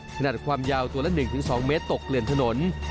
ขนาดความยาวตัวละ๑๒เมตรตกเกลื่อนถนน